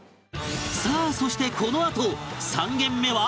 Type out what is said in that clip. さあそしてこのあと３軒目は